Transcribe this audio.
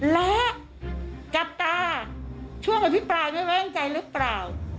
และจับตาช่วงอภิปรายไม่ไว้วางใจหรือเปล่า